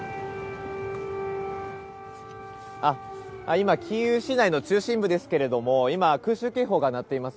今、キーウ市内の中心部ですけれども今、空襲警報が鳴っています。